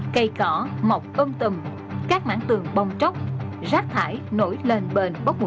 cây cỏ mọc âm tùm các mảng tường bông tróc rác thải nổi lên bền bốc mùi